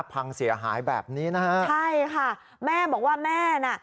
พังเสียหายแบบนี้นะฮะใช่ค่ะแม่บอกว่าแม่น่ะ